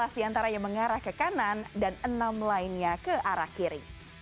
sebelas di antaranya mengarah ke kanan dan enam lainnya ke arah kiri